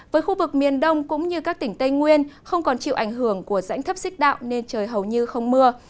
với khu vực miền đông cũng như các tỉnh tây nguyên không còn chịu ảnh hưởng của rãnh thấp xích đạo nên trời hầu như không mưa